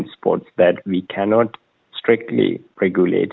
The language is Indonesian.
jadi ada beberapa tempat yang tidak bisa kita regulasi